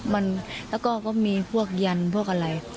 มันแล้วก็มีพวกยันพวกอะไร